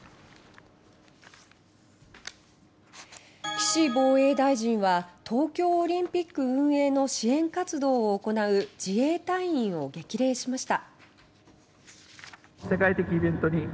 岸防衛大臣は東京オリンピックの大会運営の支援活動を行う自衛隊員を激励しました。